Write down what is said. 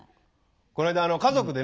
この間あの家族でね